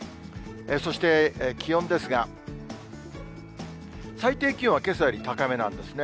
そして気温ですが、最低気温はけさより高めなんですね。